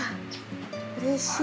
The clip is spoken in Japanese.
うれしい。